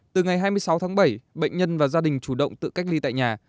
từ ngày hai mươi sáu tháng bảy bệnh nhân và gia đình chủ động tự cách ly tại nhà